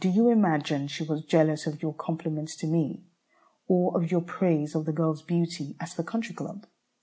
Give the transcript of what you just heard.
Do you imagine she was jealous of your compliment to me? or of your praise of the girl's beauty at the Country Club?